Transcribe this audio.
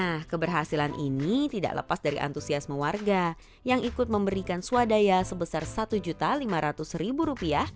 nah keberhasilan ini tidak lepas dari antusiasme warga yang ikut memberikan swadaya sebesar rp satu lima ratus